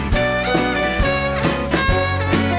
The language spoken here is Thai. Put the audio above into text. จะพร้อมเสียง